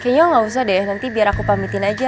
kayanya gak usah deh biar aku pamitin aja